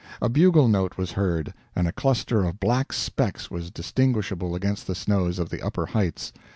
A bugle note was heard, and a cluster of black specks was distinguishable against the snows of the upper heights.